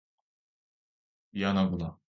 미안하구나.